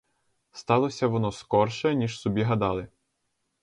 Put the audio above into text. Сталося воно скорше, ніж собі гадали.